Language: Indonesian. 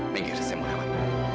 minggir saya mau lewat